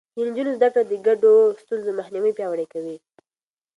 د نجونو زده کړه د ګډو ستونزو مخنيوی پياوړی کوي.